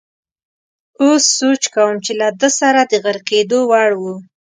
اوس سوچ کوم چې له ده سره د غرقېدو وړ وو.